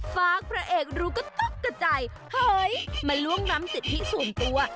ฟากพระเอกรู้ก็ตุ๊กกับใจเฮ้ยมันล่วงน้ำติดที่ส่วนตัว